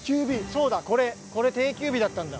そうだこれこれ定休日だったんだ。